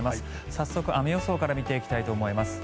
早速、雨予想から見ていきたいと思います。